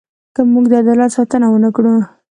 که موږ د عدالت ساتنه ونه کړو.